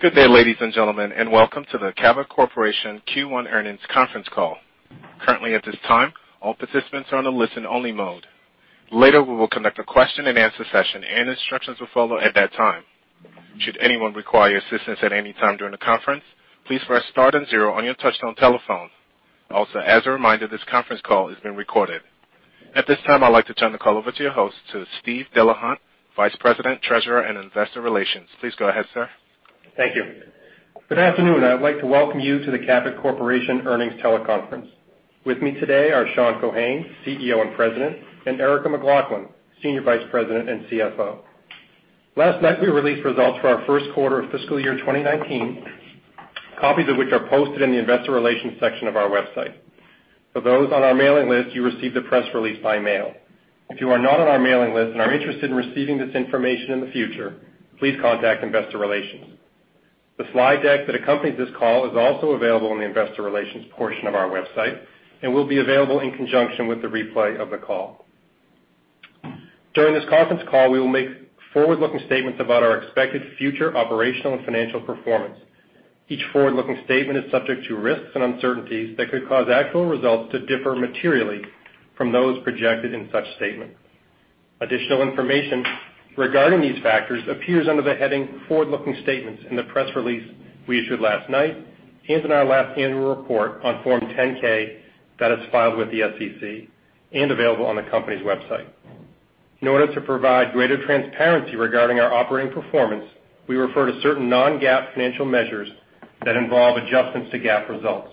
Good day, ladies and gentlemen, and welcome to the Cabot Corporation Q1 Earnings Conference Call. Currently at this time, all participants are on a listen-only mode. Later, we will conduct a question-and-answer session, and instructions will follow at that time. Should anyone require assistance at any time during the conference, please press star and zero on your touch-tone telephone. As a reminder, this conference call is being recorded. At this time, I'd like to turn the call over to your host, to Steve Delahunt, Vice President, Treasurer, and Investor Relations. Please go ahead, sir. Thank you. Good afternoon. I'd like to welcome you to the Cabot Corporation Earnings Teleconference. With me today are Sean Keohane, CEO and President, and Erica McLaughlin, Senior Vice President and CFO. Last night, we released results for our Q1 of fiscal year 2019, copies of which are posted in the investor relations section of our website. For those on our mailing list, you received the press release by mail. If you are not on our mailing list and are interested in receiving this information in the future, please contact investor relations. The slide deck that accompanies this call is also available in the investor relations portion of our website and will be available in conjunction with the replay of the call. During this conference call, we will make forward-looking statements about our expected future operational and financial performance. Each forward-looking statement is subject to risks and uncertainties that could cause actual results to differ materially from those projected in such statements. Additional information regarding these factors appears under the heading Forward-Looking Statements in the press release we issued last night and in our last annual report on Form 10-K that is filed with the SEC and available on the company's website. In order to provide greater transparency regarding our operating performance, we refer to certain non-GAAP financial measures that involve adjustments to GAAP results.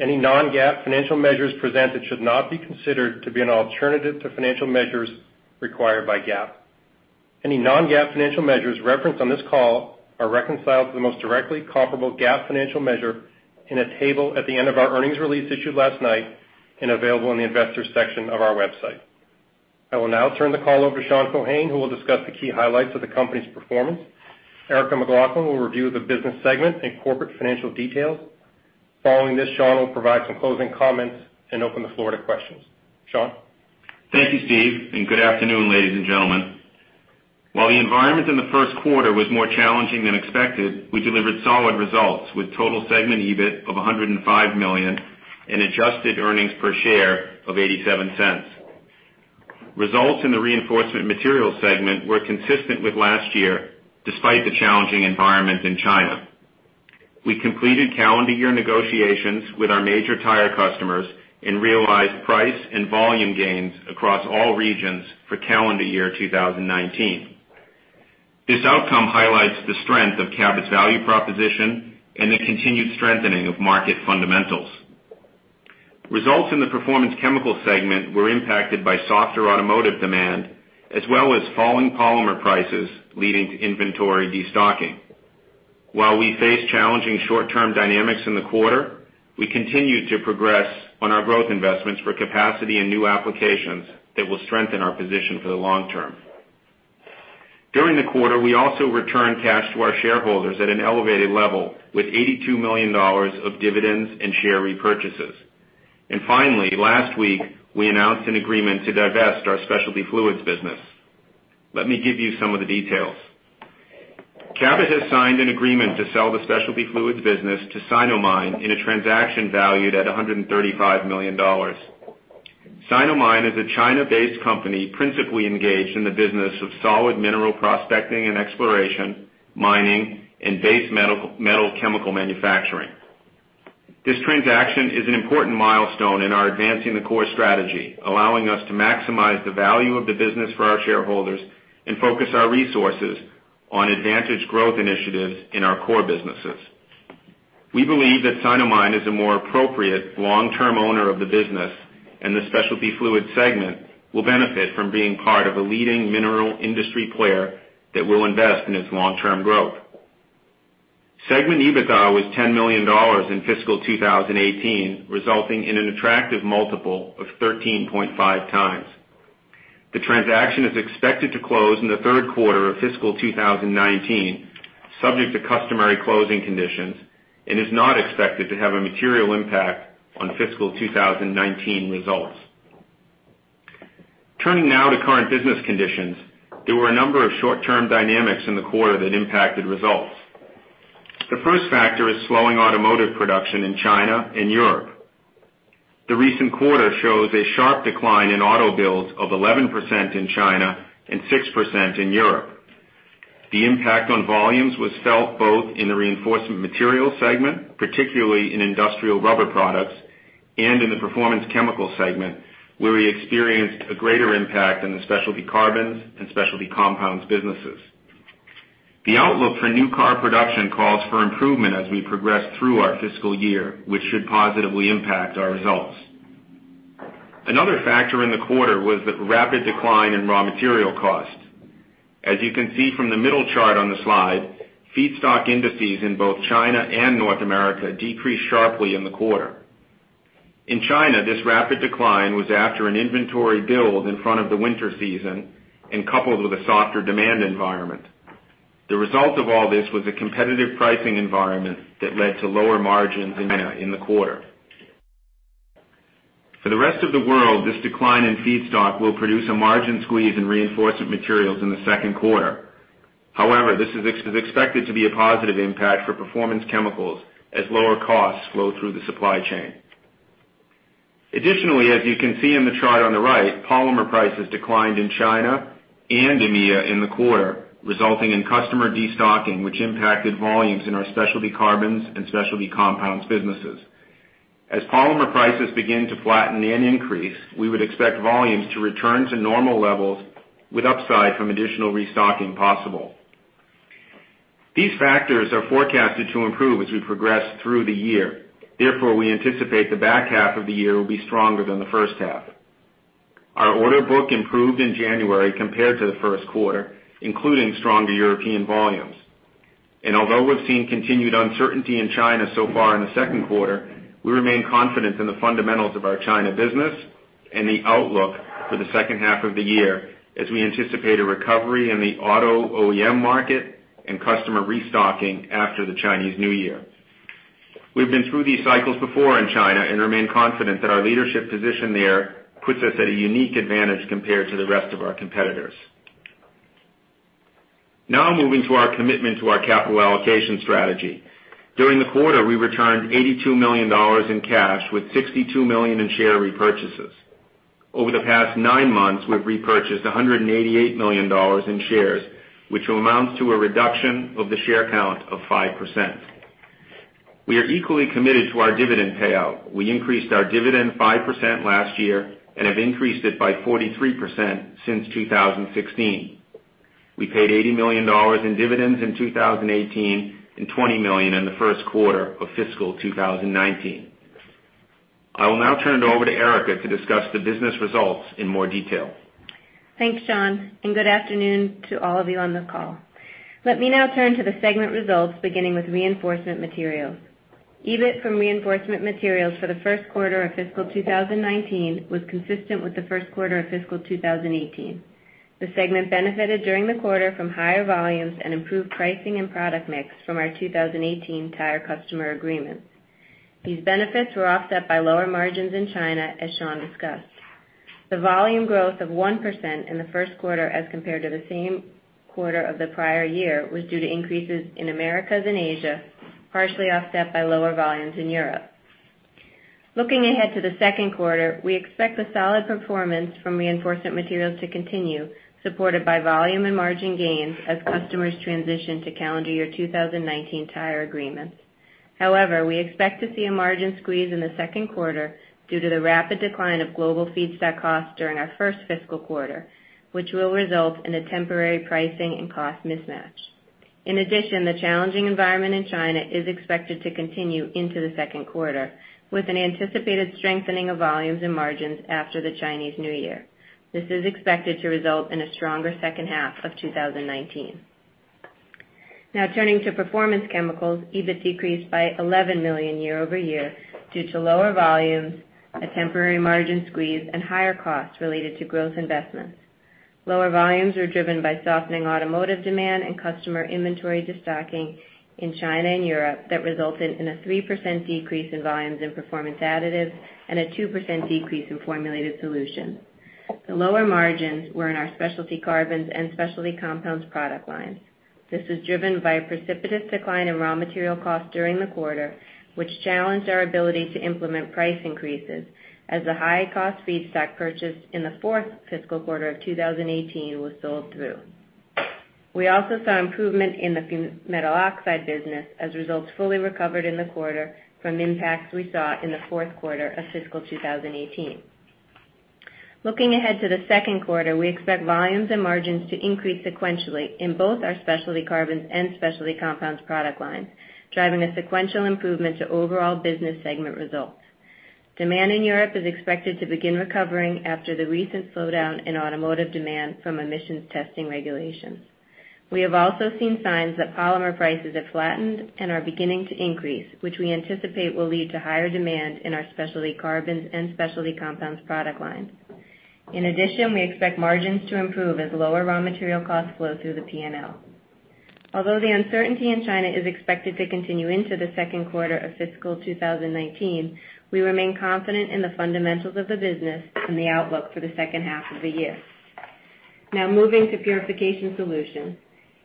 Any non-GAAP financial measures presented should not be considered to be an alternative to financial measures required by GAAP. Any non-GAAP financial measures referenced on this call are reconciled to the most directly comparable GAAP financial measure in a table at the end of our earnings release issued last night and available in the investors section of our website. I will now turn the call over to Sean Keohane, who will discuss the key highlights of the company's performance. Erica McLaughlin will review the business segment and corporate financial details. Following this, Sean will provide some closing comments and open the floor to questions. Sean? Thank you, Steve, and good afternoon, ladies and gentlemen. While the environment in the Q1 was more challenging than expected, we delivered solid results with total segment EBIT of $105 million and adjusted earnings per share of $0.87. Results in the Reinforcement Materials segment were consistent with last year, despite the challenging environment in China. We completed calendar year negotiations with our major tire customers and realized price and volume gains across all regions for calendar year 2019. This outcome highlights the strength of Cabot's value proposition and the continued strengthening of market fundamentals. Results in the Performance Chemicals segment were impacted by softer automotive demand as well as falling polymer prices, leading to inventory destocking. While we face challenging short-term dynamics in the quarter, we continue to progress on our growth investments for capacity and new applications that will strengthen our position for the long term. During the quarter, we also returned cash to our shareholders at an elevated level, with $82 million of dividends and share repurchases. Finally, last week, we announced an agreement to divest our Specialty Fluids business. Let me give you some of the details. Cabot has signed an agreement to sell the Specialty Fluids business to Sinomine in a transaction valued at $135 million. Sinomine is a China-based company principally engaged in the business of solid mineral prospecting and exploration, mining, and base metal chemical manufacturing. This transaction is an important milestone in our Advancing the Core strategy, allowing us to maximize the value of the business for our shareholders and focus our resources on advantage growth initiatives in our core businesses. We believe that Sinomine is a more appropriate long-term owner of the business, and the Specialty Fluids segment will benefit from being part of a leading mineral industry player that will invest in its long-term growth. Segment EBITDA was $10 million in fiscal 2018, resulting in an attractive multiple of 13.5x. The transaction is expected to close in the Q3 of fiscal 2019, subject to customary closing conditions, and is not expected to have a material impact on fiscal 2019 results. Turning now to current business conditions, there were a number of short-term dynamics in the quarter that impacted results. The first factor is slowing automotive production in China and Europe. The recent quarter shows a sharp decline in auto builds of 11% in China and 6% in Europe. The impact on volumes was felt both in the Reinforcement Materials segment, particularly in industrial rubber products, and in the Performance Chemicals segment, where we experienced a greater impact in the specialty carbons and specialty compounds businesses. The outlook for new car production calls for improvement as we progress through our fiscal year, which should positively impact our results. Another factor in the quarter was the rapid decline in raw material costs. As you can see from the middle chart on the slide, feedstock indices in both China and North America decreased sharply in the quarter. In China, this rapid decline was after an inventory build in front of the winter season and coupled with a softer demand environment. The result of all this was a competitive pricing environment that led to lower margins in the quarter. For the rest of the world, this decline in feedstock will produce a margin squeeze in Reinforcement Materials in the Q2. However, this is expected to be a positive impact for Performance Chemicals as lower costs flow through the supply chain. Additionally, as you can see in the chart on the right, polymer prices declined in China and EMEA in the quarter, resulting in customer destocking, which impacted volumes in our Specialty Carbons and Specialty Compounds businesses. As polymer prices begin to flatten and increase, we would expect volumes to return to normal levels with upside from additional restocking possible. These factors are forecasted to improve as we progress through the year. Therefore, we anticipate the back half of the year will be stronger than the H1. Our order book improved in January compared to the Q1, including stronger European volumes. Although we've seen continued uncertainty in China so far in the Q2, we remain confident in the fundamentals of our China business and the outlook for the H2 of the year as we anticipate a recovery in the auto OEM market and customer restocking after the Chinese New Year. We've been through these cycles before in China and remain confident that our leadership position there puts us at a unique advantage compared to the rest of our competitors. Now moving to our commitment to our capital allocation strategy. During the quarter, we returned $82 million in cash with $62 million in share repurchases. Over the past nine months, we've repurchased $188 million in shares, which amounts to a reduction of the share count of 5%. We are equally committed to our dividend payout. We increased our dividend 5% last year and have increased it by 43% since 2016. We paid $80 million in dividends in 2018 and $20 million in the Q1 of fiscal 2019. I will now turn it over to Erica to discuss the business results in more detail. Thanks, Sean, and good afternoon to all of you on the call. Let me now turn to the segment results, beginning with Reinforcement Materials. EBIT from Reinforcement Materials for the Q1 of fiscal 2019 was consistent with the Q1 of fiscal 2018. The segment benefited during the quarter from higher volumes and improved pricing and product mix from our 2018 tire customer agreements. These benefits were offset by lower margins in China, as Sean discussed. The volume growth of 1% in the Q1 as compared to the same quarter of the prior year was due to increases in Americas and Asia, partially offset by lower volumes in Europe. Looking ahead to the Q2, we expect the solid performance from Reinforcement Materials to continue, supported by volume and margin gains as customers transition to calendar year 2019 tire agreements. However, we expect to see a margin squeeze in the Q2 due to the rapid decline of global feedstock costs during our first fiscal quarter, which will result in a temporary pricing and cost mismatch. In addition, the challenging environment in China is expected to continue into the Q2, with an anticipated strengthening of volumes and margins after the Chinese New Year. This is expected to result in a stronger H2 of 2019. Now turning to Performance Chemicals. EBIT decreased by $11 million year-over-year due to lower volumes, a temporary margin squeeze, and higher costs related to growth investments. Lower volumes were driven by softening automotive demand and customer inventory destocking in China and Europe that resulted in a 3% decrease in volumes in Performance Additives and a 2% decrease in Formulated Solutions. The lower margins were in our Specialty Carbons and Specialty Compounds product lines. This is driven by a precipitous decline in raw material costs during the quarter, which challenged our ability to implement price increases as the high-cost feedstock purchased in the fourth fiscal quarter of 2018 was sold through. We also saw improvement in the metal oxide business as results fully recovered in the quarter from impacts we saw in the Q4 of fiscal 2018. Looking ahead to the Q2, we expect volumes and margins to increase sequentially in both our Specialty Carbons and Specialty Compounds product lines, driving a sequential improvement to overall business segment results. Demand in Europe is expected to begin recovering after the recent slowdown in automotive demand from emissions testing regulations. We have also seen signs that polymer prices have flattened and are beginning to increase, which we anticipate will lead to higher demand in our Specialty Carbons and Specialty Compounds product lines. In addition, we expect margins to improve as lower raw material costs flow through the P&L. Although the uncertainty in China is expected to continue into the Q2 of fiscal 2019, we remain confident in the fundamentals of the business and the outlook for the H2 of the year. Now moving to Purification Solutions.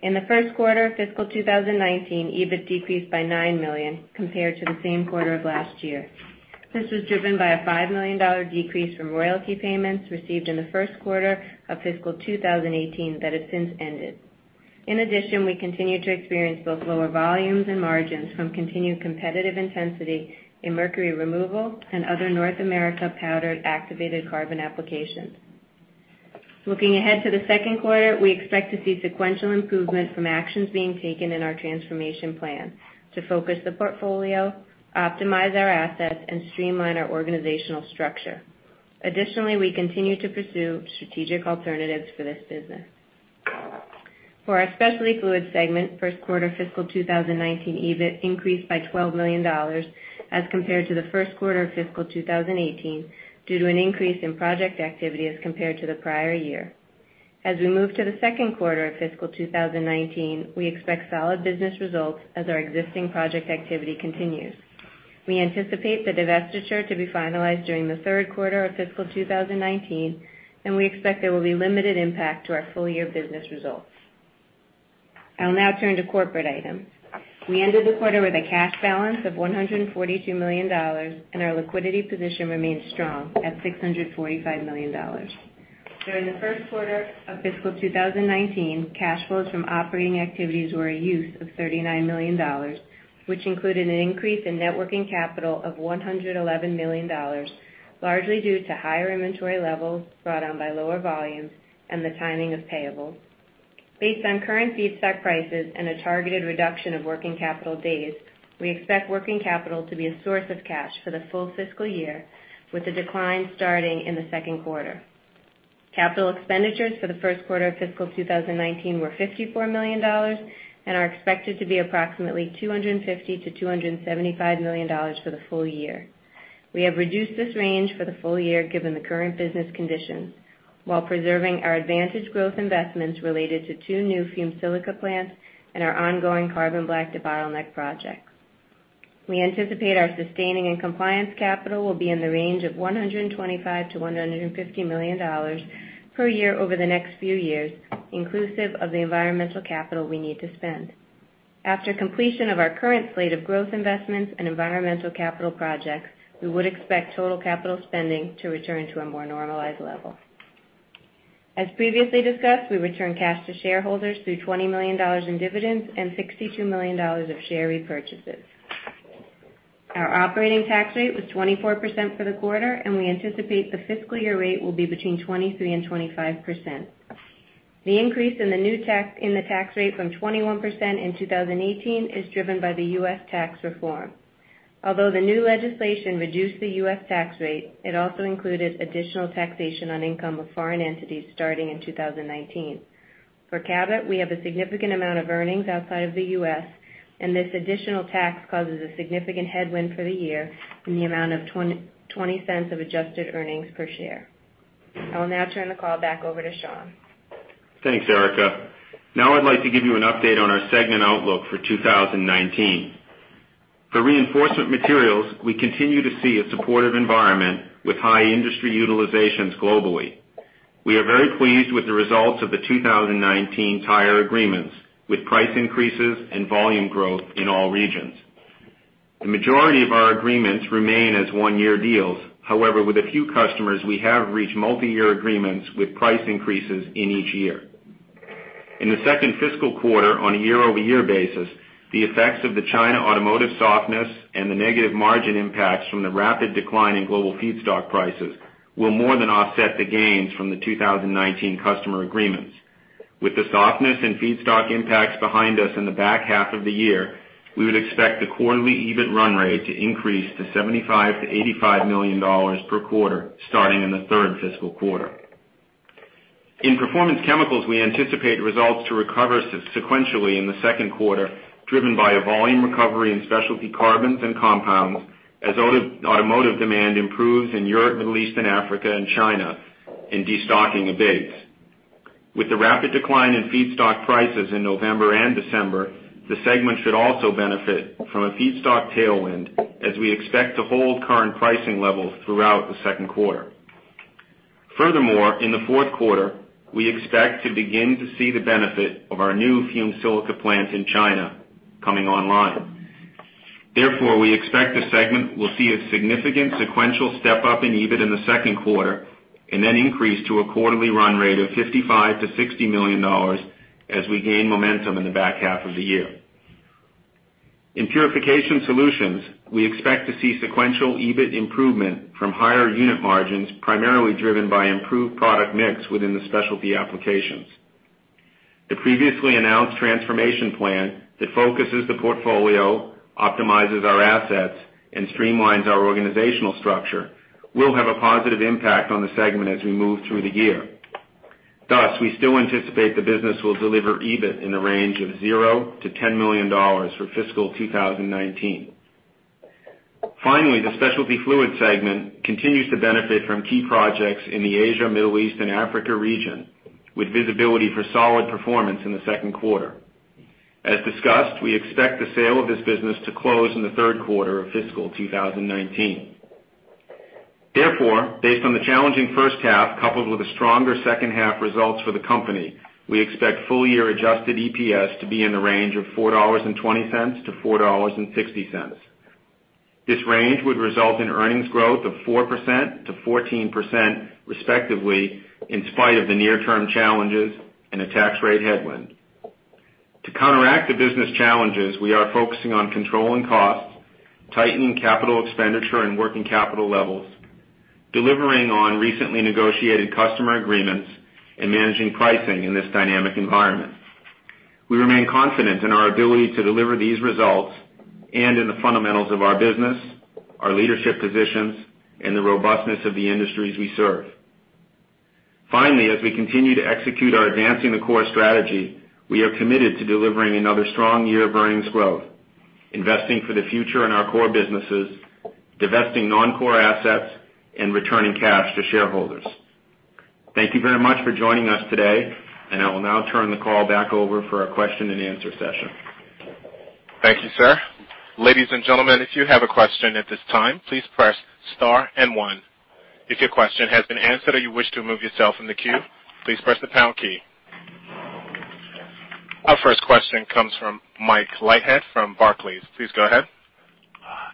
In the Q1 of fiscal 2019, EBIT decreased by $9 million compared to the same quarter of last year. This was driven by a $5 million decrease from royalty payments received in the Q1 of fiscal 2018 that has since ended. In addition, we continue to experience both lower volumes and margins from continued competitive intensity in mercury removal and other North America powdered activated carbon applications. Looking ahead to the Q2, we expect to see sequential improvement from actions being taken in our transformation plan to focus the portfolio, optimize our assets, and streamline our organizational structure. Additionally, we continue to pursue strategic alternatives for this business. For our Specialty Fluids segment, Q1 fiscal 2019 EBIT increased by $12 million as compared to the Q1 of fiscal 2018 due to an increase in project activity as compared to the prior year. As we move to the Q2 of fiscal 2019, we expect solid business results as our existing project activity continues. We anticipate the divestiture to be finalized during the Q3 of fiscal 2019, and we expect there will be limited impact to our full-year business results. I'll now turn to corporate items. We ended the quarter with a cash balance of $142 million, and our liquidity position remains strong at $645 million. During the Q1 of fiscal 2019, cash flows from operating activities were a use of $39 million, which included an increase in net working capital of $111 million, largely due to higher inventory levels brought on by lower volumes and the timing of payables. Based on current feedstock prices and a targeted reduction of working capital days, we expect working capital to be a source of cash for the full fiscal year, with the decline starting in the Q2. Capital expenditures for the Q1 of fiscal 2019 were $54 million and are expected to be approximately $250-$275 million for the full year. We have reduced this range for the full year, given the current business conditions, while preserving our advantage growth investments related to two new fumed silica plants and our ongoing carbon black debottleneck projects. We anticipate our sustaining and compliance capital will be in the range of $125-$150 million per year over the next few years, inclusive of the environmental capital we need to spend. After completion of our current slate of growth investments and environmental capital projects, we would expect total capital spending to return to a more normalized level. As previously discussed, we return cash to shareholders through $20 million in dividends and $62 million of share repurchases. Our operating tax rate was 24% for the quarter, and we anticipate the fiscal year rate will be between 23%-25%. The increase in the tax rate from 21% in 2018 is driven by the U.S. Tax Reform. Although the new legislation reduced the U.S. tax rate, it also included additional taxation on income of foreign entities starting in 2019. For Cabot, we have a significant amount of earnings outside of the U.S., and this additional tax causes a significant headwind for the year in the amount of $0.20 of adjusted earnings per share. I will now turn the call back over to Sean. Thanks, Erica. Now I'd like to give you an update on our segment outlook for 2019. For Reinforcement Materials, we continue to see a supportive environment with high industry utilizations globally. We are very pleased with the results of the 2019 tire agreements, with price increases and volume growth in all regions. The majority of our agreements remain as one-year deals. With a few customers, we have reached multi-year agreements with price increases in each year. In the second fiscal quarter, on a year-over-year basis, the effects of the China automotive softness and the negative margin impacts from the rapid decline in global feedstock prices will more than offset the gains from the 2019 customer agreements. With the softness in feedstock impacts behind us in the back half of the year, we would expect the quarterly EBIT run rate to increase to $75-$85 million per quarter, starting in the third fiscal quarter. In Performance Chemicals, we anticipate results to recover sequentially in the Q2, driven by a volume recovery in Specialty Carbons and Specialty Compounds as automotive demand improves in Europe, Middle East and Africa and China, and destocking abates. With the rapid decline in feedstock prices in November and December, the segment should also benefit from a feedstock tailwind as we expect to hold current pricing levels throughout the Q2. Furthermore, in the Q4, we expect to begin to see the benefit of our new fumed silica plant in China coming online. Therefore, we expect the segment will see a significant sequential step-up in EBIT in the Q2 and then increase to a quarterly run rate of $55-$60 million as we gain momentum in the back half of the year. In Purification Solutions, we expect to see sequential EBIT improvement from higher unit margins, primarily driven by improved product mix within the specialty applications. The previously announced transformation plan that focuses the portfolio, optimizes our assets, and streamlines our organizational structure will have a positive impact on the segment as we move through the year. Thus, we still anticipate the business will deliver EBIT in the range of $0-$10 million for fiscal 2019. Finally, the Specialty Fluids segment continues to benefit from key projects in the Asia, Middle East, and Africa region, with visibility for solid performance in the Q2. As discussed, we expect the sale of this business to close in the Q3 of fiscal 2019. Therefore, based on the challenging H1 coupled with the stronger H2 results for the company, we expect full-year adjusted EPS to be in the range of $4.20-$4.60. This range would result in earnings growth of 4%-14% respectively, in spite of the near-term challenges and a tax rate headwind. To counteract the business challenges, we are focusing on controlling costs, tightening capital expenditure and working capital levels, delivering on recently negotiated customer agreements, and managing pricing in this dynamic environment. We remain confident in our ability to deliver these results and in the fundamentals of our business, our leadership positions, and the robustness of the industries we serve. Finally, as we continue to execute our Advancing the Core strategy, we are committed to delivering another strong year of earnings growth. Investing for the future in our core businesses, divesting non-core assets, and returning cash to shareholders. Thank you very much for joining us today, and I will now turn the call back over for a question-and-answer session. Thank you, sir. Ladies and gentlemen, if you have a question at this time, please press star and one. If your question has been answered or you wish to remove yourself from the queue, please press the pound key. Our first question comes from Mike Leithead from Barclays. Please go ahead.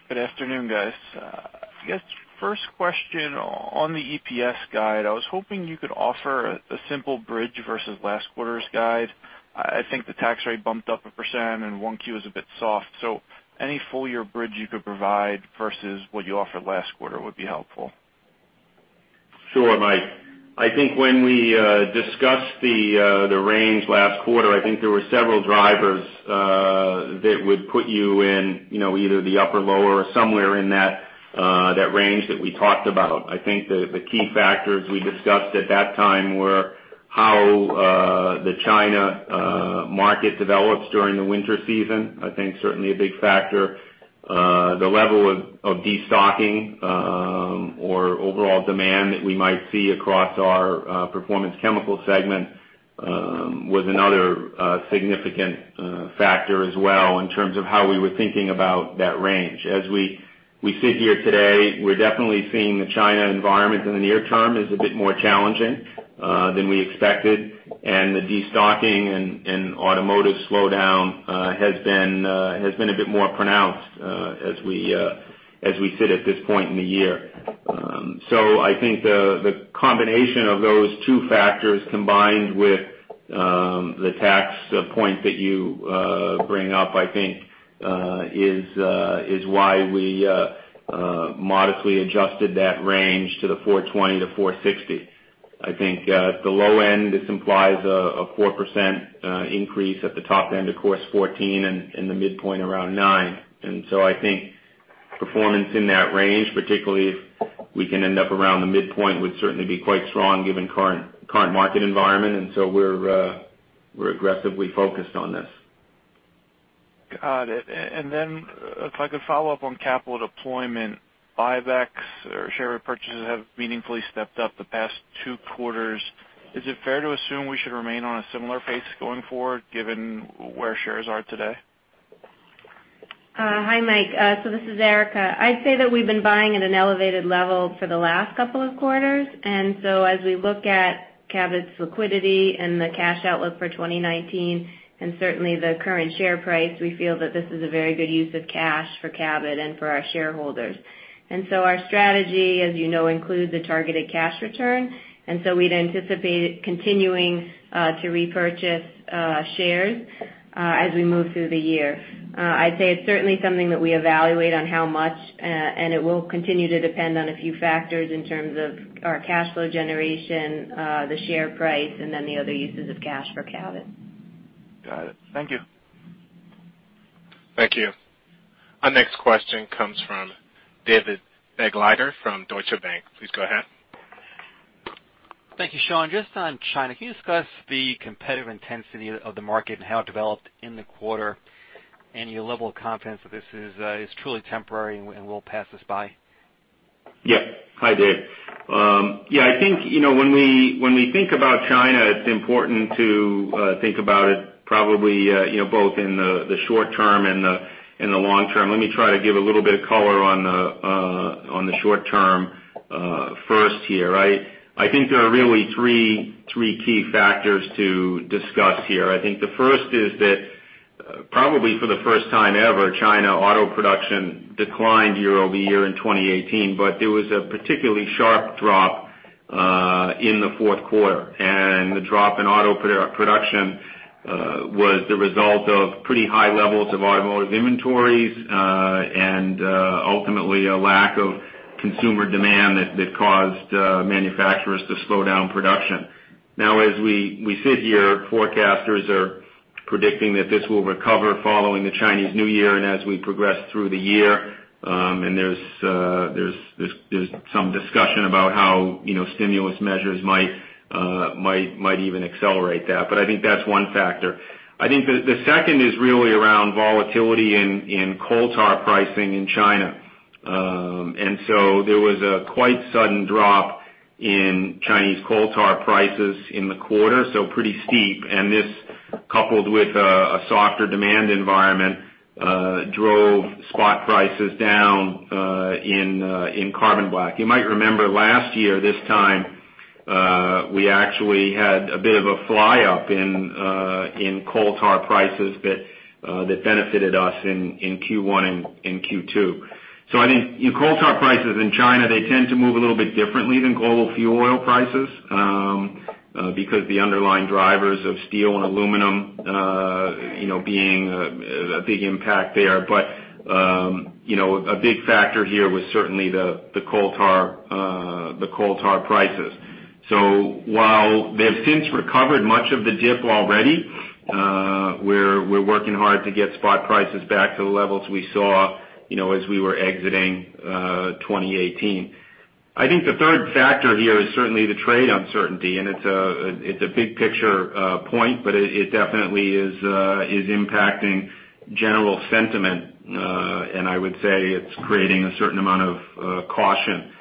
Good afternoon, guys. I guess first question on the EPS guide, I was hoping you could offer a simple bridge versus last quarter's guide. I think the tax rate bumped up 1% and 1Q was a bit soft. Any full-year bridge you could provide versus what you offered last quarter would be helpful. Sure, Mike. I think when we discussed the range last quarter, I think there were several drivers that would put you in either the upper, lower, or somewhere in that range that we talked about. I think the key factors we discussed at that time were how the China market develops during the winter season, I think certainly a big factor. The level of de-stocking or overall demand that we might see across our Performance Chemicals segment was another significant factor as well in terms of how we were thinking about that range. As we sit here today, we're definitely seeing the China environment in the near term is a bit more challenging than we expected, and the de-stocking and automotive slowdown has been a bit more pronounced as we sit at this point in the year. I think the combination of those two factors combined with the tax point that you bring up, I think, is why we modestly adjusted that range to the $4.20-$4.60. I think at the low end, this implies a 4% increase. At the top end, of course, 14%, and the midpoint around 9%. I think performance in that range, particularly if we can end up around the midpoint, would certainly be quite strong given current market environment. We're aggressively focused on this. Got it. If I could follow up on capital deployment, buybacks or share repurchases have meaningfully stepped up the past two quarters. Is it fair to assume we should remain on a similar pace going forward given where shares are today? Hi, Mike. This is Erica. I'd say that we've been buying at an elevated level for the last couple of quarters. As we look at Cabot's liquidity and the cash outlook for 2019, and certainly the current share price, we feel that this is a very good use of cash for Cabot and for our shareholders. Our strategy, as you know, includes a targeted cash return, we'd anticipate continuing to repurchase shares as we move through the year. I'd say it's certainly something that we evaluate on how much, and it will continue to depend on a few factors in terms of our cash flow generation, the share price, and then the other uses of cash for Cabot. Got it. Thank you. Thank you. Our next question comes from David Begleiter from Deutsche Bank. Please go ahead. Thank you, Sean. Just on China, can you discuss the competitive intensity of the market and how it developed in the quarter and your level of confidence that this is truly temporary and will pass us by? Yeah. Hi, Dave. Yeah, I think when we think about China, it's important to think about it probably both in the short term and the long term. Let me try to give a little bit of color on the short term first here. I think there are really three key factors to discuss here. I think the first is that probably for the first time ever, China auto production declined year-over-year in 2018, but there was a particularly sharp drop in the Q4. The drop in auto production was the result of pretty high levels of automotive inventories and ultimately a lack of consumer demand that caused manufacturers to slow down production. As we sit here, forecasters are predicting that this will recover following the Chinese New Year and as we progress through the year. There's some discussion about how stimulus measures might even accelerate that. I think that's one factor. I think the second is really around volatility in coal tar pricing in China. There was a quite sudden drop in Chinese coal tar prices in the quarter, so pretty steep. This, coupled with a softer demand environment drove spot prices down in carbon black. You might remember last year this time, we actually had a bit of a fly-up in coal tar prices that benefited us in Q1 and Q2. I think coal tar prices in China, they tend to move a little bit differently than global fuel oil prices because the underlying drivers of steel and aluminum being a big impact there. A big factor here was certainly the coal tar prices. While they've since recovered much of the dip already we're working hard to get spot prices back to the levels we saw as we were exiting 2018. The third factor here is certainly the trade uncertainty, it's a big picture point, but it definitely is impacting general sentiment. I would say it's creating a certain amount of caution,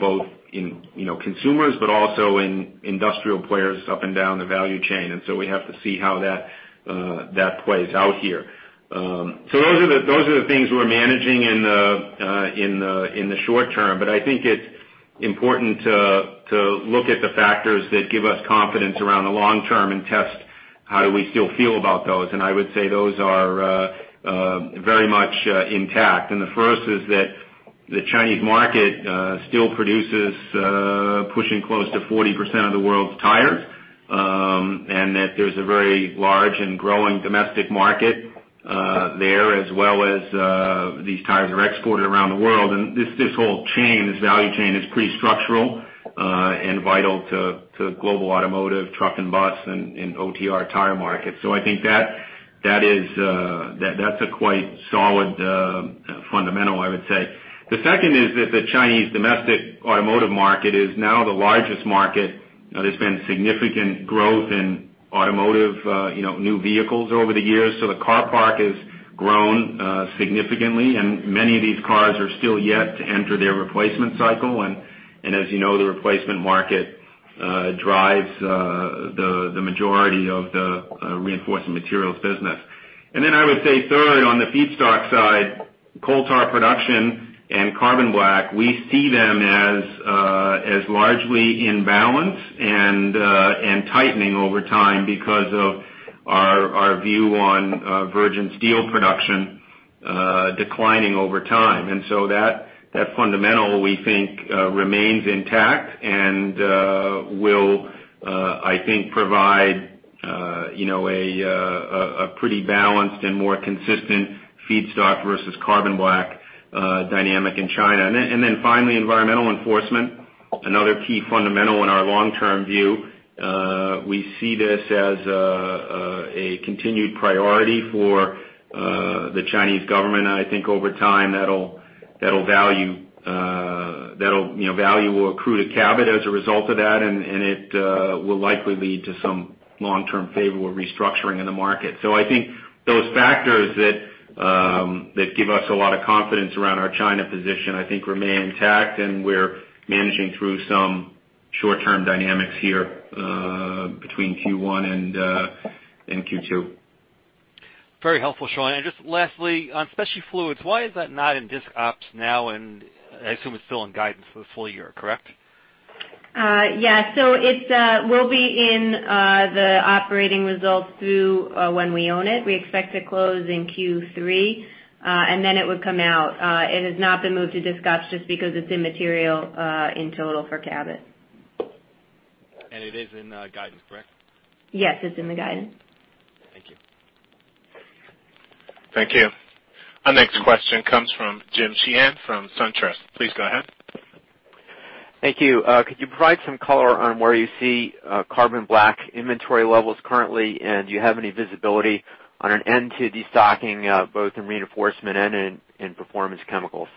both in consumers, but also in industrial players up and down the value chain. We have to see how that plays out here. Those are the things we're managing in the short term; I think it's important to look at the factors that give us confidence around the long term and test how do we still feel about those. I would say those are very much intact. The first is that the Chinese market still produces, pushing close to 40% of the world's tires, and that there's a very large and growing domestic market there, as well as these tires are exported around the world. This whole chain, this value chain, is pretty structural, and vital to global automotive, truck and bus, and OTR tire markets. I think that's a quite solid fundamental, I would say. The second is that the Chinese domestic automotive market is now the largest market. There's been significant growth in automotive new vehicles over the years. The car park has grown significantly, and many of these cars are still yet to enter their replacement cycle. As you know, the replacement market drives the majority of the Reinforcement Materials business. I would say third, on the feedstock side, coal tar production and carbon black, we see them as largely in balance and tightening over time because of our view on virgin steel production declining over time. That fundamental, we think, remains intact and will provide a pretty balanced and more consistent feedstock versus carbon black dynamic in China. Finally, environmental enforcement, another key fundamental in our long-term view. We see this as a continued priority for the Chinese government, and I think over time that'll value or accrue to Cabot as a result of that, and it will likely lead to some long-term favorable restructuring in the market. I think those factors that give us a lot of confidence around our China position, I think remain intact, and we're managing through some short-term dynamics here between Q1 and Q2. Very helpful, Sean. Just lastly, on Specialty Fluids, why is that not in discontinued operations now? I assume it's still in guidance for the full year, correct? Yeah. It will be in the operating results through when we own it. We expect to close in Q3, and then it would come out. It has not been moved to discontinued operations just because it's immaterial in total for Cabot. it is in the guidance, correct? Yes, it's in the guidance. Thank you. Thank you. Our next question comes from James Sheehan from SunTrust. Please go ahead. Thank you. Could you provide some color on where you see carbon black inventory levels currently, and do you have any visibility on an end to destocking, both in Reinforcement and in Performance Chemicals?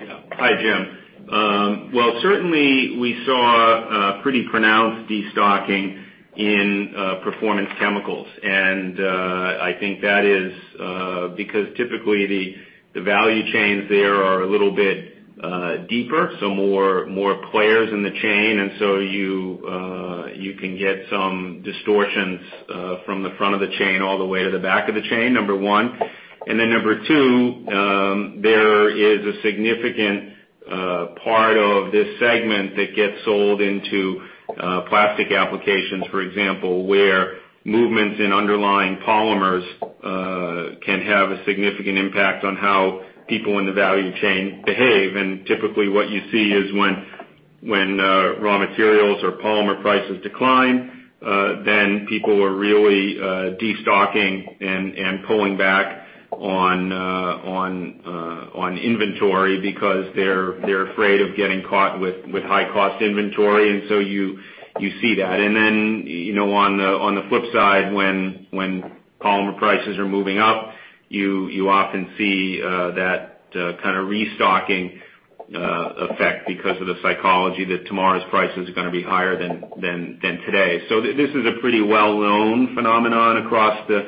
Yeah. Hi, Jim. Well, certainly we saw a pretty pronounced destocking in Performance Chemicals, I think that is because typically the value chains there are a little bit deeper, so more players in the chain, so you can get some distortions from the front of the chain all the way to the back of the chain, number one. Then number two, there is a significant part of this segment that gets sold into plastic applications, for example, where movements in underlying polymers can have a significant impact on how people in the value chain behave. Typically, what you see is when raw materials or polymer prices decline, then people are really destocking and pulling back on inventory because they're afraid of getting caught with high-cost inventory, so you see that. Then on the flip side, when polymer prices are moving up, you often see that kind of restocking effect because of the psychology that tomorrow's price is going be higher than today. This is a pretty well-known phenomenon across the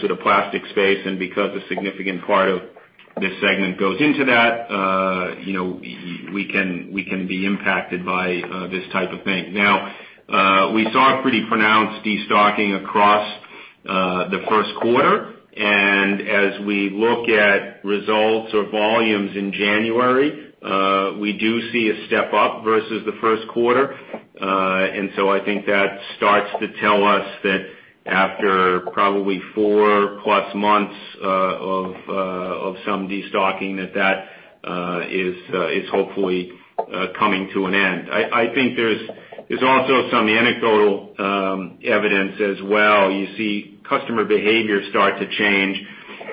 sort of plastic space, and because a significant part of this segment goes into that we can be impacted by this type of thing. We saw a pretty pronounced destocking across the Q1, as we look at results or volumes in January, we do see a step up versus the Q1. I think that starts to tell us that after probably four-plus months of some destocking, that that is hopefully coming to an end. I think there's also some anecdotal evidence as well. You see customer behavior start to change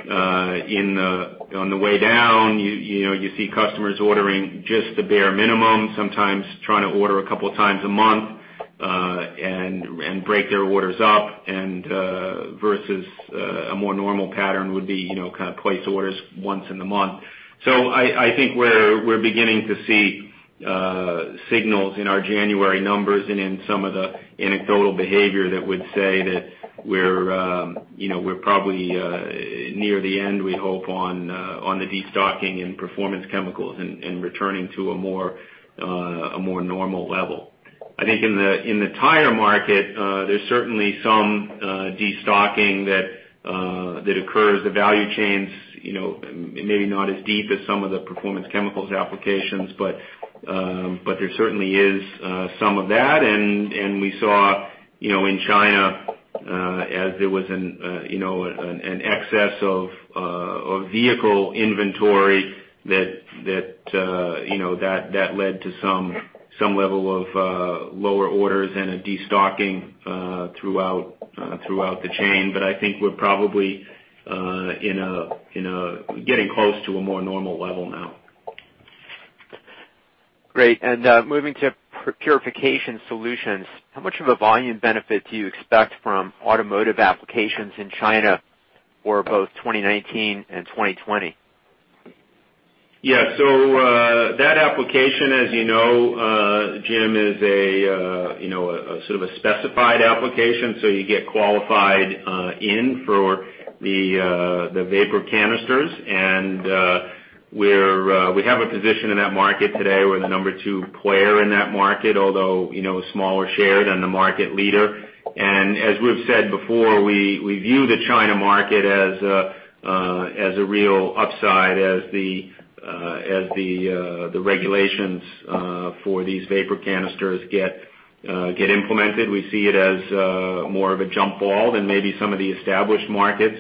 on the way down. You see customers ordering just the bare minimum, sometimes trying to order a couple times a month, and break their orders up versus a more normal pattern would be, kind of place orders once in the month. I think we're beginning to see signals in our January numbers and in some of the anecdotal behavior that would say that we're probably near the end, we hope, on the destocking in Performance Chemicals and returning to a more normal level. I think in the tire market, there's certainly some destocking that occurs. The value chain's maybe not as deep as some of the Performance Chemicals applications, but there certainly is some of that. We saw, in China, as there was an excess of vehicle inventory that led to some level of lower orders and a destocking throughout the chain. I think we're probably getting close to a more normal level now. Great. Moving to Purification Solutions, how much of a volume benefit do you expect from automotive applications in China for both 2019 and 2020? That application, as you know, Jim, is a sort of a specified application, so you get qualified in for the vapor canisters. We have a position in that market today. We're the number 2 player in that market, although a smaller share than the market leader. As we've said before, we view the China market as a real upside as the regulations for these vapor canisters get implemented. We see it as more of a jump ball than maybe some of the established markets.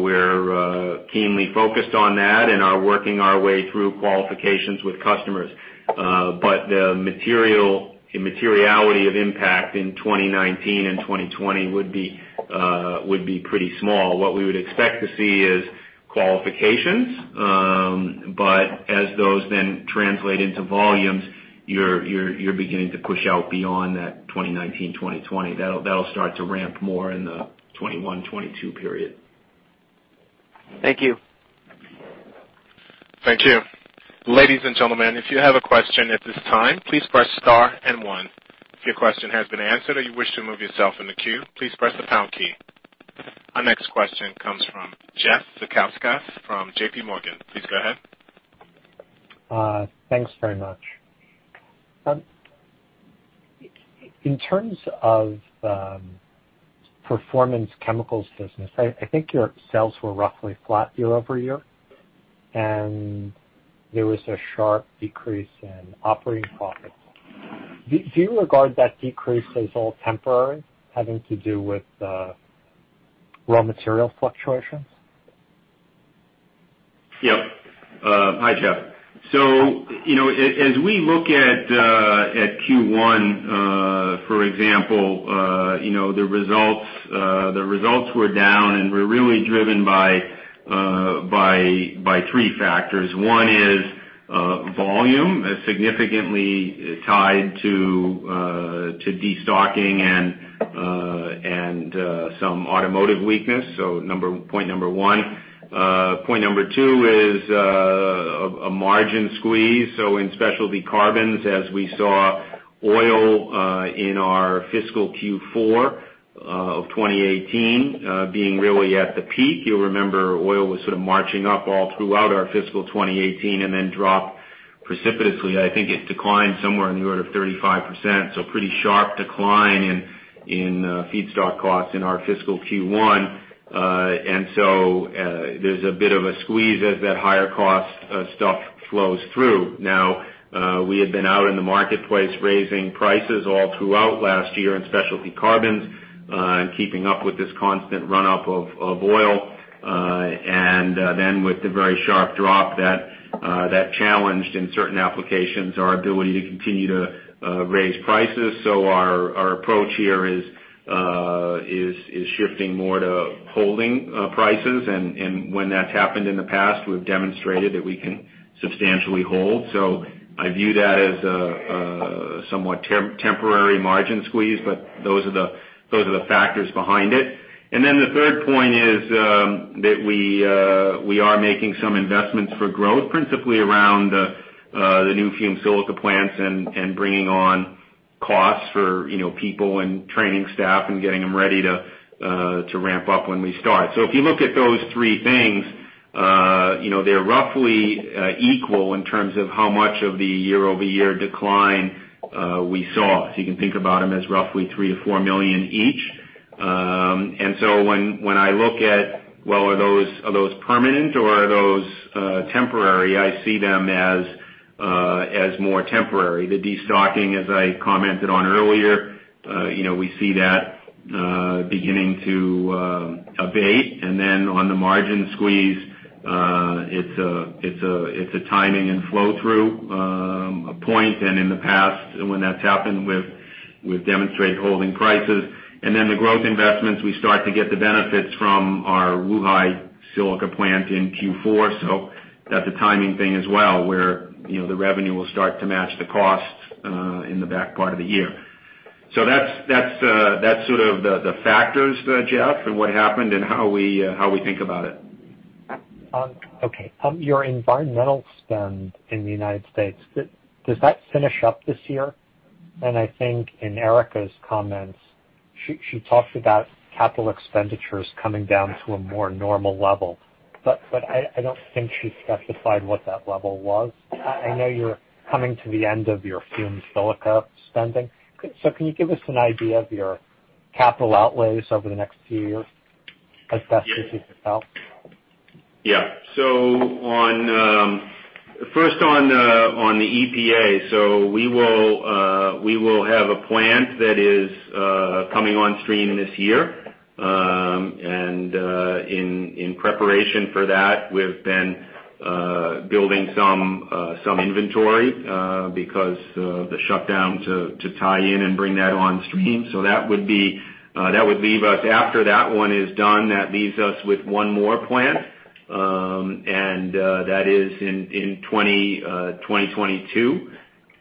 We're keenly focused on that and are working our way through qualifications with customers. The materiality of impact in 2019 and 2020 would be pretty small. What we would expect to see is qualifications. As those then translate into volumes, you're beginning to push out beyond that 2019, 2020. That'll start to ramp more in the 2021, 2022 period. Thank you. Thank you. Ladies and gentlemen, if you have a question at this time, please press star one. If your question has been answered or you wish to move yourself in the queue, please press the pound key. Our next question comes from Jeff Zekauskas from JPMorgan. Please go ahead. Thanks very much. In terms of Performance Chemicals business, I think your sales were roughly flat year-over-year, and there was a sharp decrease in operating profits. Do you regard that decrease as all temporary, having to do with raw material fluctuations? Yep. Hi, Jeff. As we look at Q1, for example, the results were down and were really driven by three factors. One is volume as significantly tied to destocking and some automotive weakness. Point number one. Point number two is a margin squeeze. In Specialty Carbons, as we saw oil in our fiscal Q4 of 2018 being really at the peak. You'll remember oil was sort of marching up all throughout our fiscal 2018 and then dropped precipitously. I think it declined somewhere in the order of 35%, pretty sharp decline in feedstock costs in our fiscal Q1. There's a bit of a squeeze as that higher cost stuff flows through. Now, we had been out in the marketplace raising prices all throughout last year in Specialty Carbons, and keeping up with this constant runoff of oil. With the very sharp drop, that challenged, in certain applications, our ability to continue to raise prices. Our approach here is shifting more to holding prices. When that's happened in the past, we've demonstrated that we can substantially hold. I view that as a somewhat temporary margin squeeze, but those are the factors behind it. The third point is that we are making some investments for growth, principally around the new fumed silica plants and bringing on costs for people and training staff and getting them ready to ramp up when we start. If you look at those three things, they're roughly equal in terms of how much of the year-over-year decline we saw. You can think about them as roughly $3-$4 million each. When I look at, well, are those permanent or are those temporary, I see them as more temporary. The de-stocking, as I commented on earlier, we see that beginning to abate. On the margin squeeze, it's a timing and flow-through point. In the past, when that's happened, we've demonstrated holding prices. The growth investments, we start to get the benefits from our Wuhai silica plant in Q4, that's a timing thing as well, where the revenue will start to match the costs in the back part of the year. That's the sort of the factors, Jeff, and what happened and how we think about it. Okay. On your environmental spend in the U.S., does that finish up this year? I think in Erica's comments, she talked about capital expenditures coming down to a more normal level, but I don't think she specified what that level was. I know you're coming to the end of your fumed silica spending. Can you give us an idea of your capital outlays over the next few years as best as you can tell? Yeah. First, on the EPA, we will have a plant that is coming on stream this year. In preparation for that, we've been building some inventory because of the shutdown to tie in and bring that on stream. That would leave us, after that one is done, that leaves us with one more plant, and that is in 2022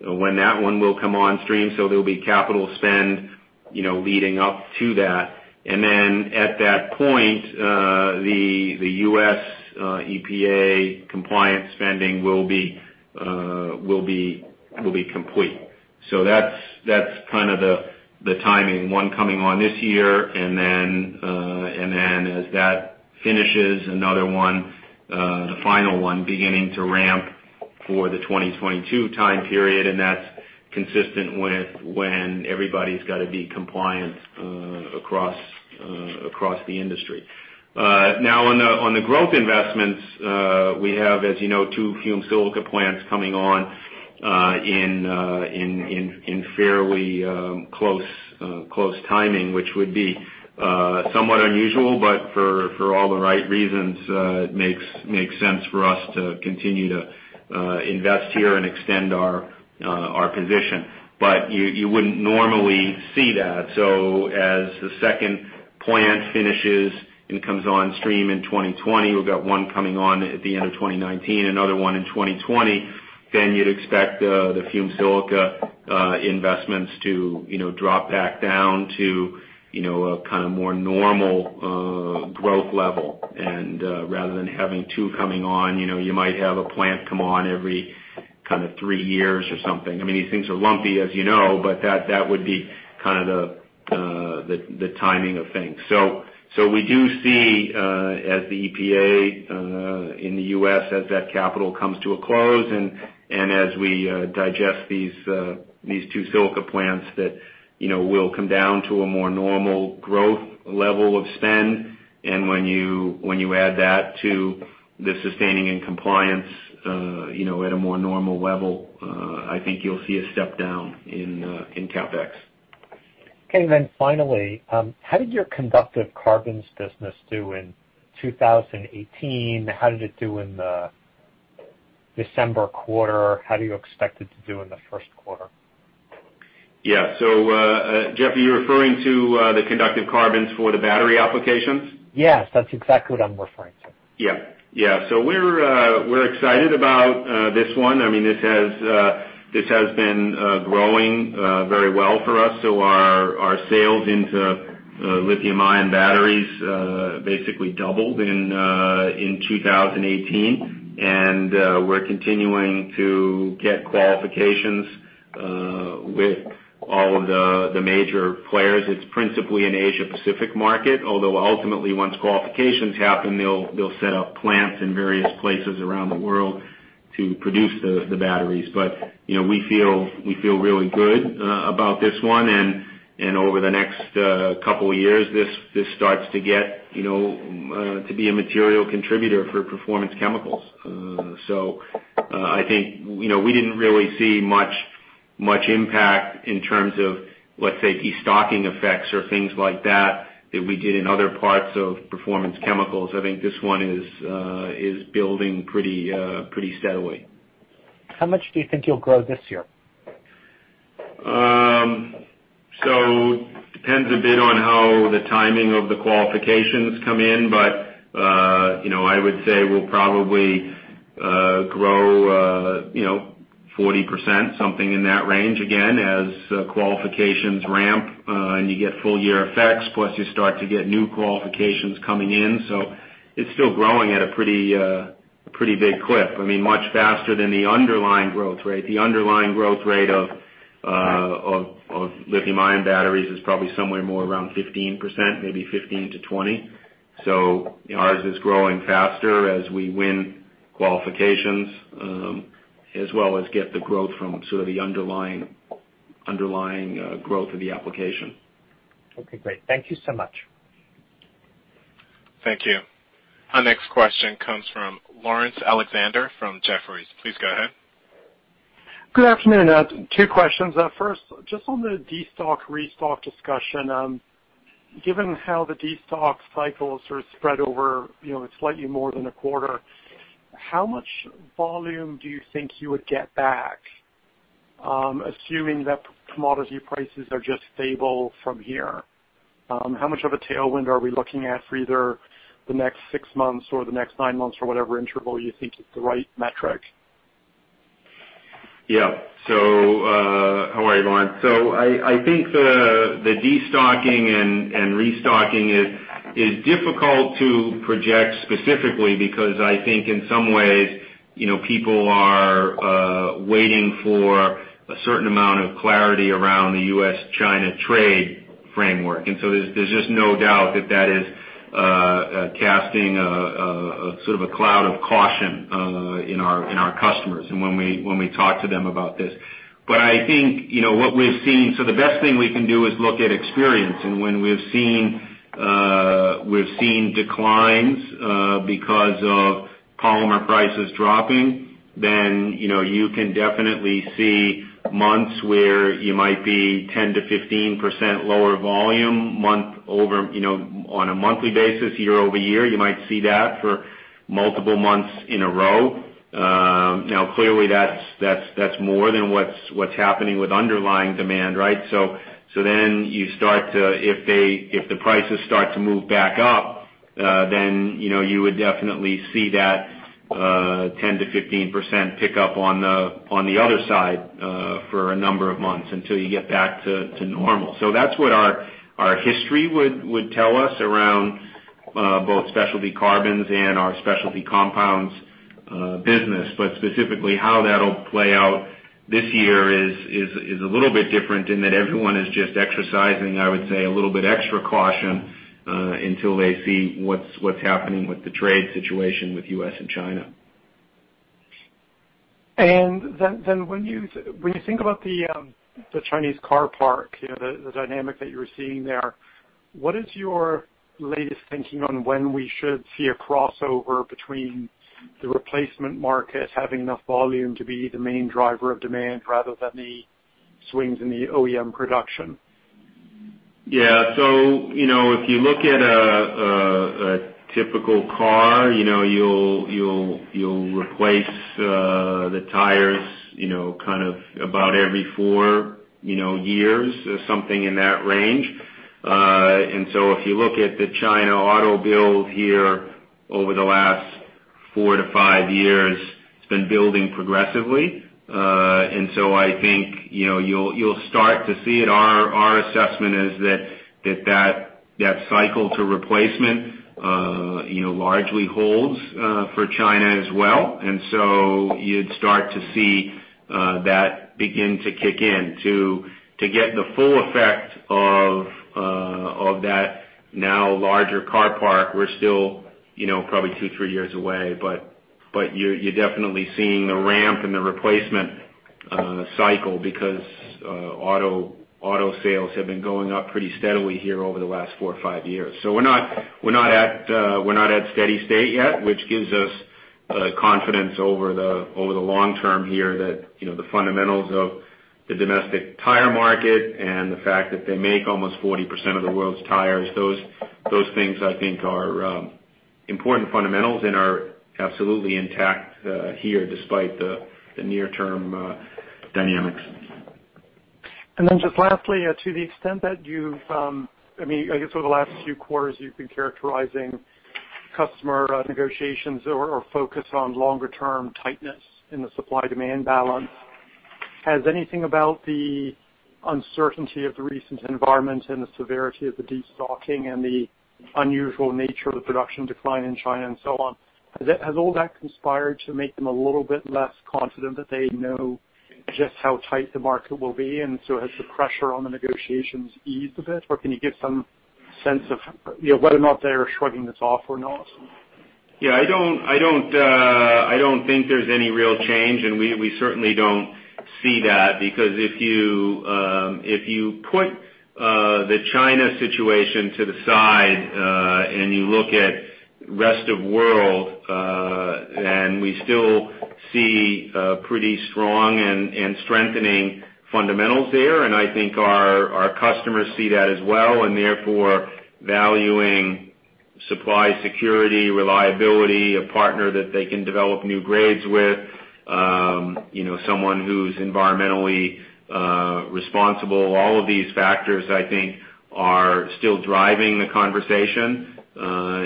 when that one will come on stream. There'll be capital spend leading up to that. At that point, the U.S. EPA compliance spending will be complete. That's kind of the timing, one coming on this year, and then as that finishes, another one, the final one, beginning to ramp for the 2022 time period, and that's consistent with when everybody's got to be compliant across the industry. On the growth investments, we have, as you know, two fumed silica plants coming on in fairly close timing, which would be somewhat unusual, but for all the right reasons, it makes sense for us to continue to invest here and extend our position. But you wouldn't normally see that. As the second plant finishes and comes on stream in 2020, we've got one coming on at the end of 2019, another one in 2020. You'd expect the fumed silica investments to drop back down to a more normal growth level. Rather than having two coming on, you might have a plant come on every three years or something. These things are lumpy, as you know, but that would be the timing of things. We do see as the EPA in the U.S., as that capital comes to a close and as we digest these two silica plants, that we'll come down to a more normal growth level of spend. When you add that to the sustaining and compliance at a more normal level, I think you'll see a step down in CapEx. Finally, how did your conductive carbons business do in 2018? How did it do in the December quarter? How do you expect it to do in the Q1? Jeff, are you referring to the conductive carbons for the battery applications? Yes, that's exactly what I'm referring to. Yeah. We're excited about this one. This has been growing very well for us. Our sales into lithium-ion batteries basically doubled in 2018, and we're continuing to get qualifications with all of the major players. It's principally an Asia Pacific market, although ultimately once qualifications happen, they'll set up plants in various places around the world to produce the batteries. We feel really good about this one, and over the next couple of years, this starts to be a material contributor for Performance Chemicals. I think we didn't really see much impact in terms of, let's say, destocking effects or things like that we did in other parts of Performance Chemicals. I think this one is building pretty steadily. How much do you think you'll grow this year? Depends a bit on how the timing of the qualifications come in, but I would say we'll probably grow 40%, something in that range, again, as qualifications ramp, and you get full-year effects, plus you start to get new qualifications coming in. It's still growing at a pretty big clip. Much faster than the underlying growth rate. The underlying growth rate of lithium-ion batteries is probably somewhere more around 15%, maybe 15%-20%. Ours is growing faster as we win qualifications, as well as get the growth from sort of the underlying growth of the application. Okay, great. Thank you so much. Thank you. Our next question comes from Laurence Alexander from Jefferies. Please go ahead. Good afternoon. Two questions. First, just on the destock, restock discussion. Given how the destock cycle is sort of spread over slightly more than a quarter. How much volume do you think you would get back, assuming that commodity prices are just stable from here? How much of a tailwind are we looking at for either the next six months or the next nine months, or whatever interval you think is the right metric? Yeah. How are you, Laurence? I think the de-stocking and restocking is difficult to project specifically because I think in some ways, people are waiting for a certain amount of clarity around the U.S.-China trade framework. There's just no doubt that that is casting a cloud of caution in our customers and when we talk to them about this. The best thing we can do is look at experience, and when we've seen declines because of polymer prices dropping, then you can definitely see months where you might be 10%-15% lower volume on a monthly basis, year-over-year. You might see that for multiple months in a row. Now, clearly, that's more than what's happening with underlying demand, right? If the prices start to move back up, then you would definitely see that 10%-15% pick up on the other side for a number of months until you get back to normal. That's what our history would tell us around both Specialty Carbons and our Specialty Compounds business. Specifically, how that'll play out this year is a little bit different in that everyone is just exercising, I would say, a little bit extra caution until they see what's happening with the trade situation with U.S. and China. When you think about the Chinese car park, the dynamic that you're seeing there, what is your latest thinking on when we should see a crossover between the replacement market having enough volume to be the main driver of demand rather than the swings in the OEM production? If you look at a typical car, you'll replace the tires about every four years or something in that range. If you look at the China auto build here over the last four to five years, it's been building progressively. I think you'll start to see it. Our assessment is that that cycle to replacement largely holds for China as well. You'd start to see that begin to kick in. To get the full effect of that now larger car park, we're still probably two, three years away. You're definitely seeing the ramp and the replacement cycle because auto sales have been going up pretty steadily here over the last four or five years. We're not at steady state yet, which gives us confidence over the long term here that the fundamentals of the domestic tire market and the fact that they make almost 40% of the world's tires, those things I think are important fundamentals and are absolutely intact here despite the near term dynamics. Just lastly, to the extent that you've, I guess over the last few quarters, you've been characterizing customer negotiations or focus on longer-term tightness in the supply-demand balance. Has anything about the uncertainty of the recent environment and the severity of the destocking and the unusual nature of the production decline in China and so on, has all that conspired to make them a little bit less confident that they know just how tight the market will be, has the pressure on the negotiations eased a bit, or can you give some sense of whether or not they are shrugging this off or not? Yeah, I don't think there's any real change, We certainly don't see that because if you put the China situation to the side and you look at rest of world, We still see pretty strong and strengthening fundamentals there, I think our customers see that as well, Therefore valuing supply security, reliability, a partner that they can develop new grades with, someone who's environmentally responsible. All of these factors, I think, are still driving the conversation. No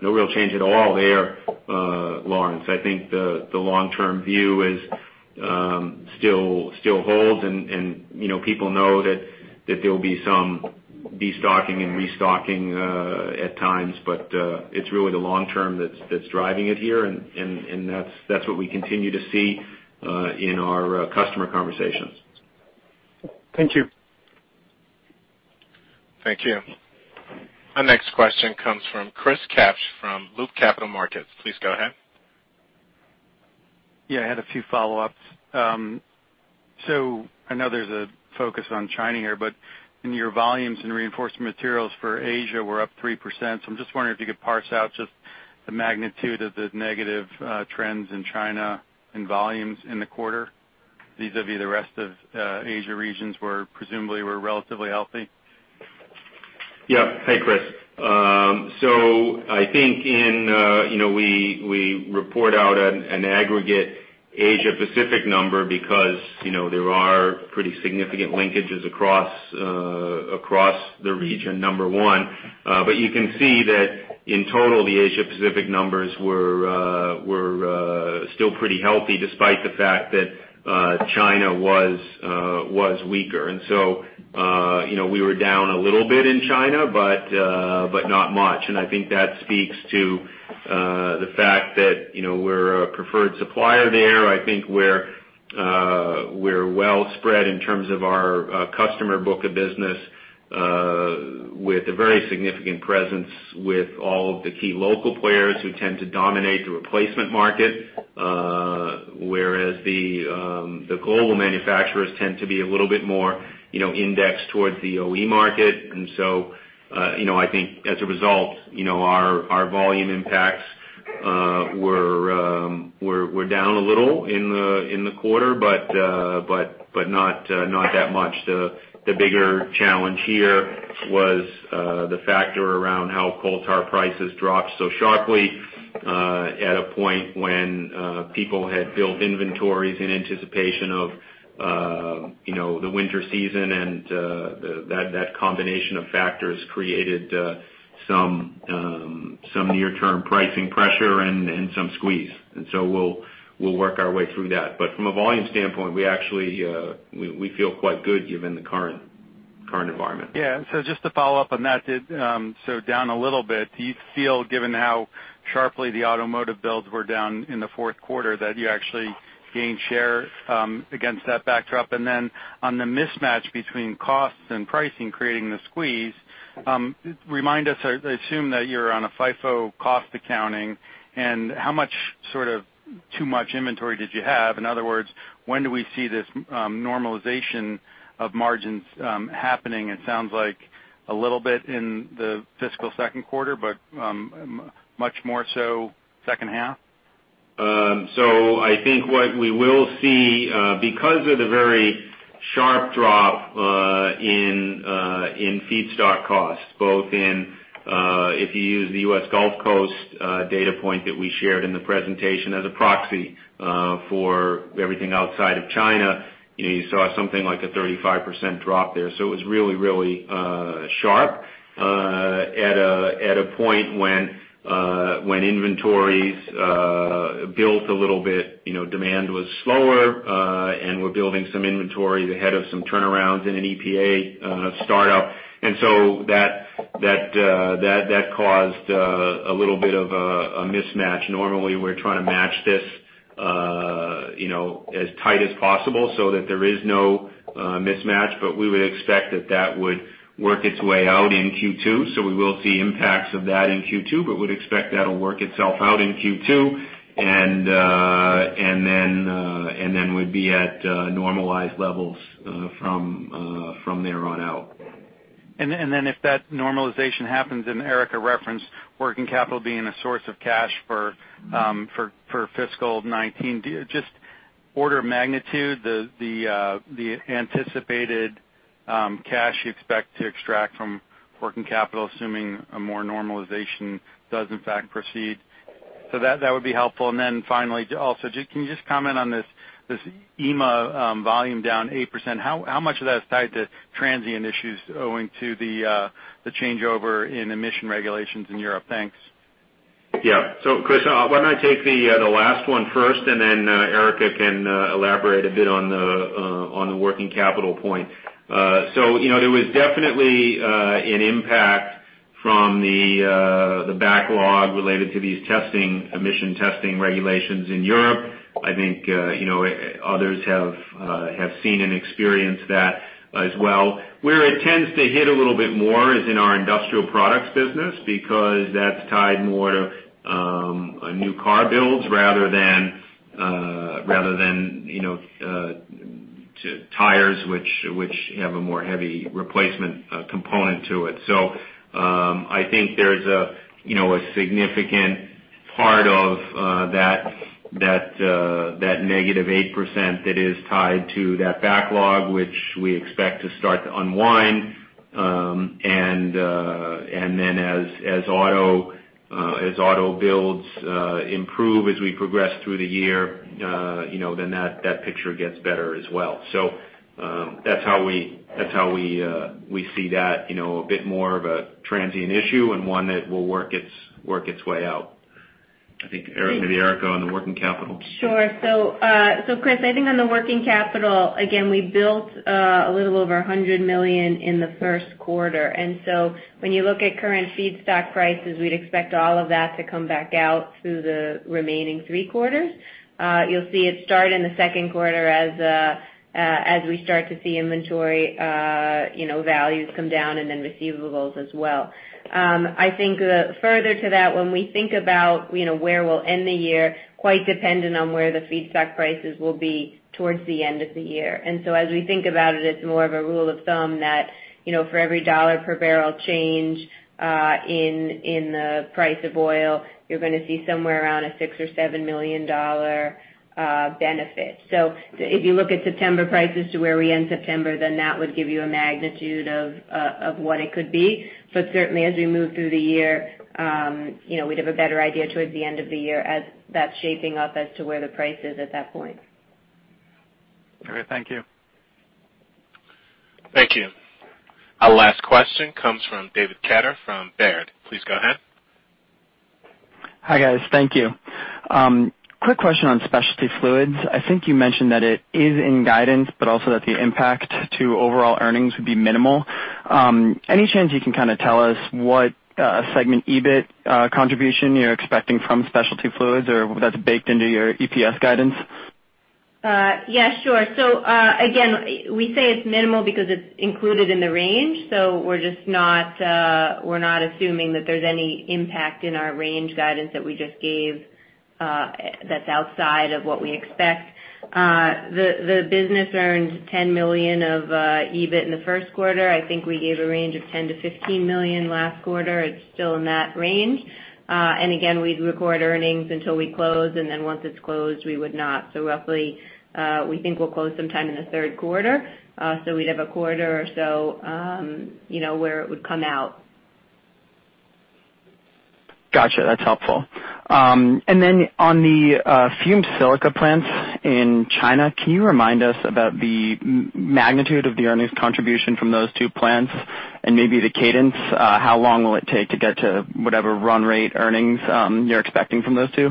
real change at all there, Laurence. I think the long-term view still holds, and people know that there will be some destocking and restocking at times. It's really the long term that's driving it here, and that's what we continue to see in our customer conversations. Thank you. Thank you. Our next question comes from Chris Kapsch from Loop Capital Markets. Please go ahead. I had a few follow-ups. I know there's a focus on China here, but in your volumes and Reinforcement Materials for Asia were up 3%. I'm just wondering if you could parse out just the magnitude of the negative trends in China and volumes in the quarter. Vis-a-vis the rest of Asia regions where presumably we're relatively healthy? Yeah. Hey, Chris. I think we report out an aggregate Asia Pacific number because there are pretty significant linkages across the region, number one. You can see that in total, the Asia Pacific numbers were still pretty healthy despite the fact that China was weaker. We were down a little bit in China, but not much. I think that speaks to the fact that we're a preferred supplier there. I think we're well spread in terms of our customer book of business, with a very significant presence with all of the key local players who tend to dominate the replacement market. Whereas the global manufacturers tend to be a little bit more indexed towards the OE market. I think as a result, our volume impacts were down a little in the quarter, but not that much. The bigger challenge here was the factor around how coal tar prices dropped so sharply at a point when people had built inventories in anticipation of the winter season, that combination of factors created some near-term pricing pressure and some squeeze. We'll work our way through that. From a volume standpoint, we feel quite good given the current environment. Just to follow up on that, down a little bit. Do you feel given how sharply the automotive builds were down in the Q4, that you actually gained share against that backdrop? On the mismatch between costs and pricing creating the squeeze, remind us, I assume that you're on a FIFO cost accounting, how much sort of too much inventory did you have? In other words, when do we see this normalization of margins happening? It sounds like a little bit in the fiscal Q2, but much more so H2? I think what we will see, because of the very sharp drop in feedstock costs, both in, if you use the U.S. Gulf Coast data point that we shared in the presentation as a proxy for everything outside of China, you saw something like a 35% drop there. It was really sharp at a point when inventories built a little bit. Demand was slower, and we're building some inventory ahead of some turnarounds in an EPA startup. That caused a little bit of a mismatch. Normally, we're trying to match this as tight as possible so that there is no mismatch, we would expect that that would work its way out in Q2. We will see impacts of that in Q2, would expect that'll work itself out in Q2. We'd be at normalized levels from there on out. If that normalization happens, Erica referenced working capital being a source of cash for fiscal 2019, just order of magnitude, the anticipated cash you expect to extract from working capital, assuming a more normalization does in fact proceed. That would be helpful. Finally, also, can you just comment on this EMEA volume down 8%? How much of that is tied to transient issues owing to the changeover in emission regulations in Europe? Thanks. Yeah. Chris, why don't I take the last one first, Erica can elaborate a bit on the working capital point. There was definitely an impact from the backlog related to these emission testing regulations in Europe. I think others have seen and experienced that as well. Where it tends to hit a little bit more is in our industrial products business, because that's tied more to new car builds rather than to tires, which have a more heavy replacement component to it. I think there's a significant part of that negative 8% that is tied to that backlog, which we expect to start to unwind. As auto builds improve as we progress through the year, that picture gets better as well. That's how we see that, a bit more of a transient issue and one that will work its way out. I think maybe Erica on the working capital. Sure. Chris, I think on the working capital, again, we built a little over $100 million in the Q1. When you look at current feedstock prices, we'd expect all of that to come back out through the remaining three quarters. You'll see it start in the Q2 as we start to see inventory values come down and then receivables as well. I think further to that, when we think about where we'll end the year, quite dependent on where the feedstock prices will be towards the end of the year. As we think about it's more of a rule of thumb that for every dollar per barrel change in the price of oil, you're going to see somewhere around a $6 or $7 million benefit. If you look at September prices to where we end September, that will give you a magnitude of what it could be. Certainly, as we move through the year, we'd have a better idea towards the end of the year as that's shaping up as to where the price is at that point. Great. Thank you. Thank you. Our last question comes from David Katter from Baird. Please go ahead. Hi, guys. Thank you. Quick question on Specialty Fluids. I think you mentioned that it is in guidance, but also that the impact to overall earnings would be minimal. Any chance you can kind of tell us what segment EBIT contribution you're expecting from Specialty Fluids, or that's baked into your EPS guidance? Yeah, sure. Again, we say it's minimal because it's included in the range. We're just not assuming that there's any impact in our range guidance that we just gave that's outside of what we expect. The business earned $10 million of EBIT in the Q1. I think we gave a range of $10-$15 million last quarter. It's still in that range. Again, we'd record earnings until we close, and then once it's closed, we would not. Roughly, we think we'll close sometime in the Q3. We'd have a quarter or so, where it would come out Got you. That's helpful. On the fumed silica plants in China, can you remind us about the magnitude of the earnings contribution from those two plants and maybe the cadence? How long will it take to get to whatever run rate earnings you're expecting from those two?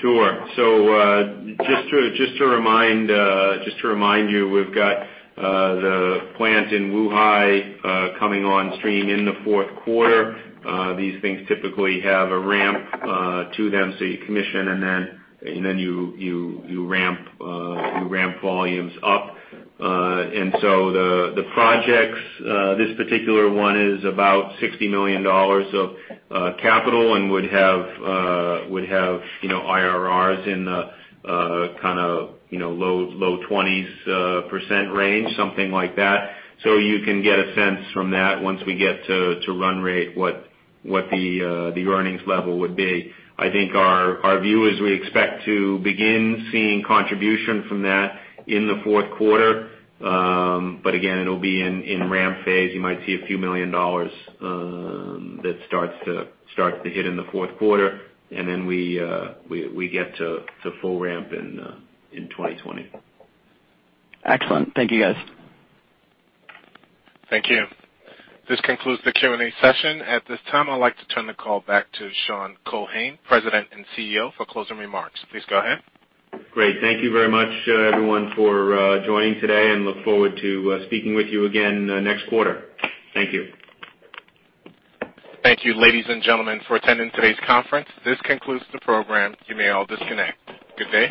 Sure. Just to remind you, we've got the plant in Wuhai coming on stream in the Q4. These things typically have a ramp to them. You commission and then you ramp volumes up. The projects, this particular one is about $60 million of capital and would have IRRs in the kind of low 20s% range, something like that. You can get a sense from that once we get to run rate what the earnings level would be. I think our view is we expect to begin seeing contribution from that in the Q4. Again, it'll be in ramp phase. You might see a few million dollars that starts to hit in the Q4, and then we get to full ramp in 2020. Excellent. Thank you, guys. Thank you. This concludes the Q&A session. At this time, I'd like to turn the call back to Sean Keohane, President and CEO, for closing remarks. Please go ahead. Great. Thank you very much everyone for joining today and look forward to speaking with you again next quarter. Thank you. Thank you, ladies and gentlemen, for attending today's conference. This concludes the program. You may all disconnect. Good day.